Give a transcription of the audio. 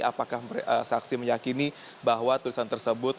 apakah saksi meyakini bahwa tulisan tersebut